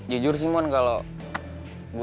jujur sih mon kalau